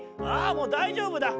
もうだいじょうぶだ」。